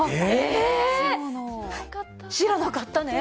知らなかったね。